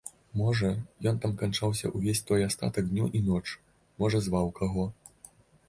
Можа ён там канчаўся ўвесь той астатак дню і ноч, можа зваў каго.